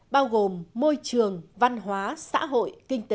bao gồm môi trường văn hóa xã hội kinh tế